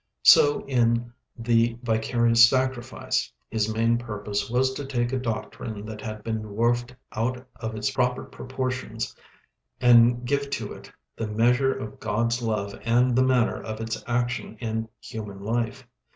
So in 'The Vicarious Sacrifice' his main purpose was to take a doctrine that had been dwarfed out of its proper proportions, and give to it the measure of God's love and the manner of its action in human life.